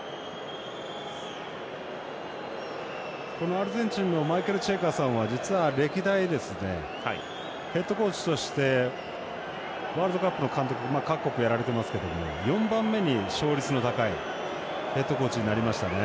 アルゼンチンのマイケル・チェイカさんは実は歴代、ヘッドコーチとしてワールドカップの監督各国やられてますけど４番目に勝率の高いヘッドコーチになりましたね。